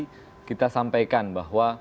jadi kita sampaikan bahwa